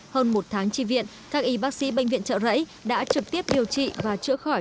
hơn một tháng tri viện các y bác sĩ bệnh viện trợ rẫy đã trực tiếp điều trị và chữa khỏi